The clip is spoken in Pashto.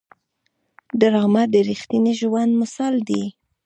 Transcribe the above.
ډرامه د رښتیني ژوند مثال دی